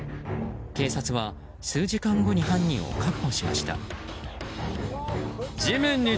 警察は数時間後に犯人を確保しました。